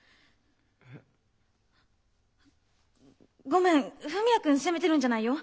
ごめん文也君責めてるんじゃないよ。